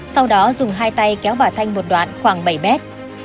sau đó dùng hai tay kéo bà thanh một đoạn khoảng bảy mét